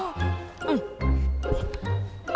อืม